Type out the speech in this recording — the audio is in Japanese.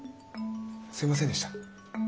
すいませんでした。